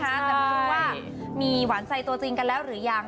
แค่พูดว่ามีหวานใจตัวจริงกันหรือยัง